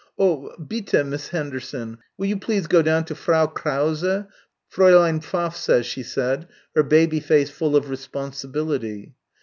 "Oh, bitte, Miss Henderson, will you please go down to Frau Krause, Fräulein Pfaff says," she said, her baby face full of responsibility.